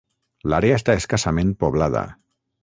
L'àrea està escassament poblada.